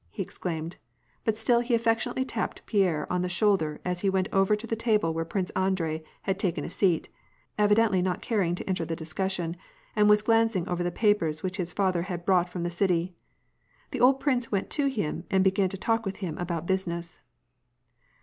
" he exclaimed, but still he affectionately tapped Pierre on the shoulder as he went over to the table where Prince Andrei had taken a seat, evi dently not caring to enter the discussion, and was glancing over the papers which his father had brought from the city. The old prince went to him and began to talk with him aboat business.